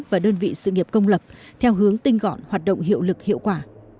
và đơn vị sự nghiệp công lập theo hướng tinh gọn hoạt động hiệu lực hiệu quả